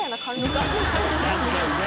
確かにね。